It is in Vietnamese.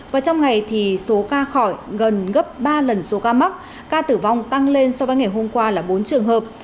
và trong ngày thì số ca khỏi gần gấp ba lần số ca mắc ca tử vong tăng lên so với ngày hôm qua là bốn trường hợp